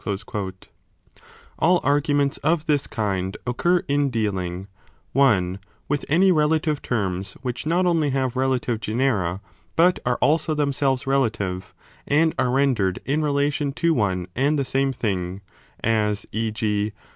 i73 b All arguments of this kind occur in dealing (i) with any relative terms which not only have relative genera, but are also themselves relative, and are rendered in relation to one and the same thing, as e. g.